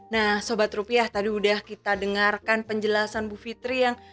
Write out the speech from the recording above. nah sobat rupiah tadi udah kita dengarkan penjelasan bu fitri yang